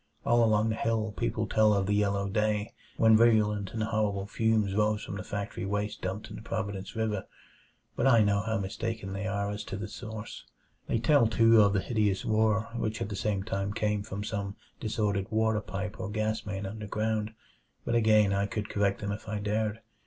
All along the hill people tell of the yellow day, when virulent and horrible fumes arose from the factory waste dumped in the Providence River, but I know how mistaken they are as to the source. They tell, too, of the hideous roar which at the same time came from some disordered water pipe or gas main underground but again I could correct them if I dared.